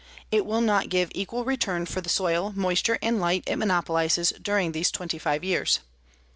It will not give equal return for the soil, moisture and light it monopolizes during these 25 years.